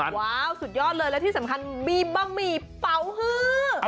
ว้าวสุดยอดเลยและที่สำคัญมีบะหมี่เป๋าฮือ